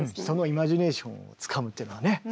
そのイマジネーションをつかむっていうのはね